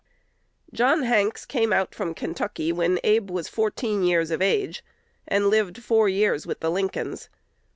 John Hanks came out from Kentucky when Abe was fourteen years of age, and lived four years with the Lincolns.